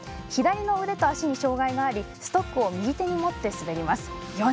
左の腕と足に障がいがありストックを右手に持って滑ります。